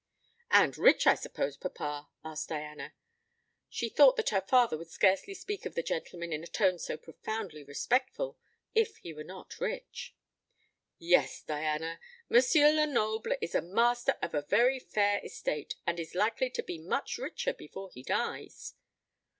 "And rich, I suppose, papa?" asked Diana. She thought that her father would scarcely speak of the gentleman in a tone so profoundly respectful if he were not rich. "Yes, Diana. M. Lenoble is master of a very fair estate, and is likely to be much richer before he dies."